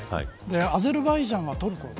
アゼルバイジャンはトルコ。